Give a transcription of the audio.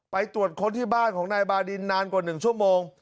ตรวจค้นที่บ้านของนายบาดินนานกว่า๑ชั่วโมง